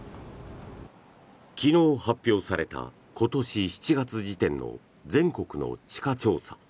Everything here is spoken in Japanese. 昨日発表された今年７月時点の全国の地価調査。